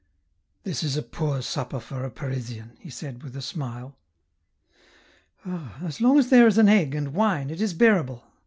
" This is a poor supper for a Parisian," he said, with a smile. " Ah, as long as there is an egg and wine it is bearable.